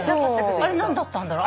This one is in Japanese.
あれ何だったんだろう。